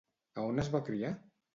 A on es va criar?